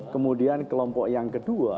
kemudian kelompok yang kedua